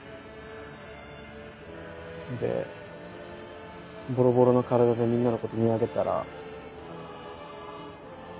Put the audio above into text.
でボロボロの体でみんなのこと見上げたら。